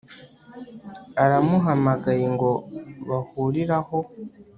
aramuhamagaye ngo bahurire aho